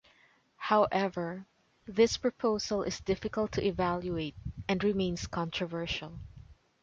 However, this proposal is difficult to evaluate, and remains controversial.